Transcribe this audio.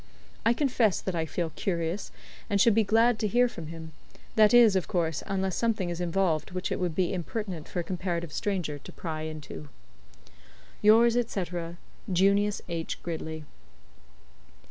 I confess that I feel curious, and should be glad to hear from him that is, of course, unless something is involved which it would be impertinent for a comparative stranger to pry into. "Yours, &c., "JUNIUS H. GRIDLEY."